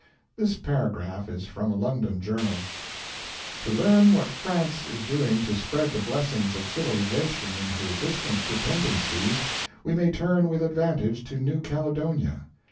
This paragraph is from a London journal: "To learn what France is doing to spread the blessings of civilization in her distant dependencies we may turn with advantage to New Caledonia.